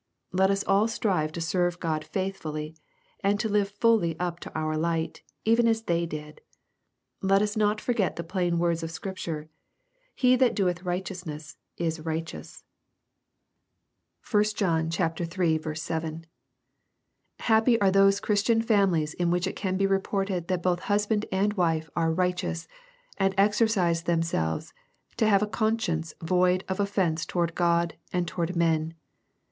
Let us all strive to serve God faithfully, and live fully up to our light, even as they did. Let us not forget the plain words of Scripture, ^^He that doeth righteousness is righteous," LUKE, CHAP. I. (1 John iii. 7,) Happy are those Christian families in which it can be reported that both husband and wife are *^ righteous/' and exercise themselves to have a conscicDce void of offence toward God and toward men.